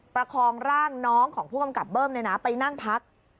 ประคองร่างน้องของผู้กำกับเบิ้มไปนั่งพัก